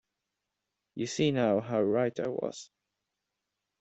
You see now how right I was.